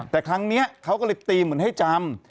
แต่ครั้งนี้เขาก็เลยตีเหมือนให้จำ